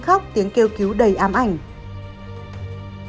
khóc tiếng kêu cứu đầy ám ảnh